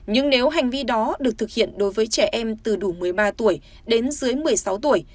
nhưng nếu hành vi đó được thực hiện đối với trẻ em từ đủ một mươi ba tuổi đến dưới một mươi sáu tuổi